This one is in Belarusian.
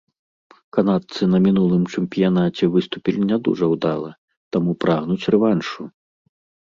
Канадцы на мінулым чэмпіянаце выступілі не дужа ўдала, таму прагнуць рэваншу.